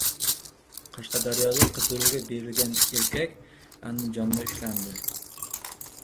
Qashqadaryoda qidiruvga berilgan erkak Andijonda ushlandi